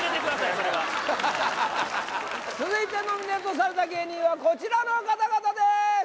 それは続いてノミネートされた芸人はこちらの方々です